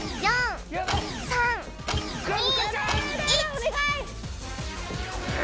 お願い！